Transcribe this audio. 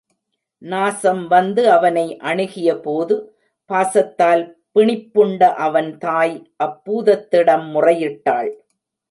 நாசம் வந்து அவனை அணுகியபோது பாசத்தால் பிணிப்புண்ட அவன் தாய் அப்பூதத்திடம் முறையிட்டாள்.